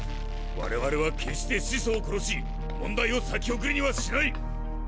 我々は決して始祖を殺し問題を先送りにはしない！